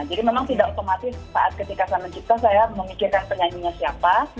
jadi memang tidak otomatis saat ketika saya mencipta saya memikirkan penyanyinya siapa